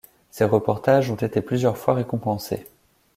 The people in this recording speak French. Ses reportages ont été plusieurs fois récompensés.